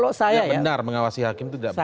ada kesan tidak benar mengawasi hakim itu tidak benar